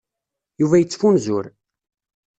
Yuba ad yettfunzur.